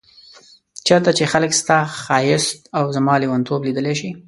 چيرته چي خلګ ستا ښايست او زما ليونتوب ليدلی شي